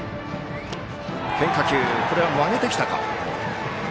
変化球、これは曲げてきたか。